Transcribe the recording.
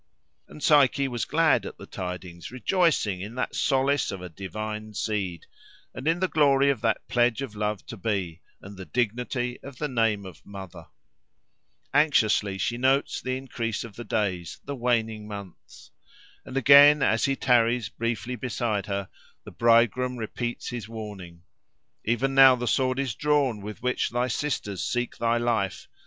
And Psyche was glad at the tidings, rejoicing in that solace of a divine seed, and in the glory of that pledge of love to be, and the dignity of the name of mother. Anxiously she notes the increase of the days, the waning months. And again, as he tarries briefly beside her, the bridegroom repeats his warning: "Even now the sword is drawn with which thy sisters seek thy life.